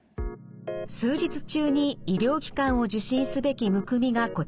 数日中に医療機関を受診すべきむくみがこちらです。